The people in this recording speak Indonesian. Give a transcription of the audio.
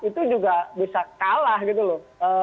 itu juga bisa kalah gitu loh